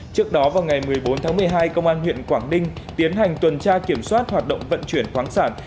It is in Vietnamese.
trước đó vào ngày một mươi bốn tháng một mươi hai công an huyện quảng ninh tiến hành tuần tra kiểm soát hoạt động vận chuyển khoáng sản